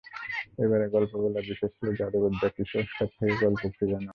এবারের গল্প বলার বিষয় ছিল জাদুবিদ্যা কুসংস্কার থেকে গল্প খুঁজে নেওয়া।